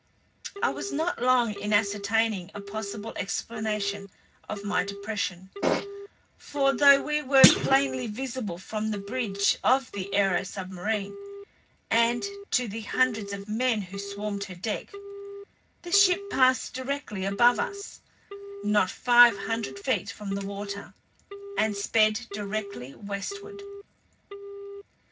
I was not long in ascertaining a possible explanation of my depression, for, though we were plainly visible from the bridge of the aero submarine and to the hundreds of men who swarmed her deck, the ship passed directly above us, not five hundred feet from the water, and sped directly westward.